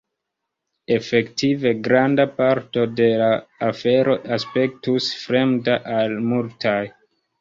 Efektive granda parto de la afero aspektus fremda al multaj.